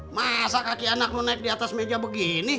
masa kaki anak lu naik di atas meja begini